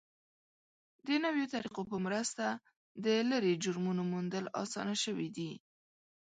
د نویو طریقو په مرسته د لرې جرمونو موندل اسانه شوي دي.